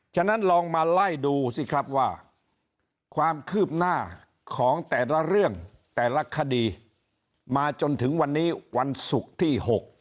ฉะนั้นลองมาไล่ดูสิครับว่าความคืบหน้าของแต่ละเรื่องแต่ละคดีมาจนถึงวันนี้วันศุกร์ที่๖